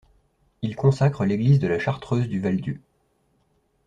Il consacre l'église de la chartreuse du Val-Dieu.